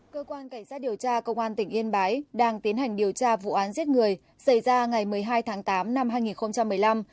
cơ quan cảnh sát điều tra công an tỉnh yên bái đang tiến hành điều tra vụ án giết người xảy ra ngày một mươi hai tháng tám năm hai nghìn một mươi năm